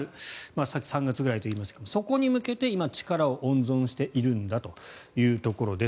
さっき３月ぐらいといいましたがそこに向けて今力を温存しているんだというところです。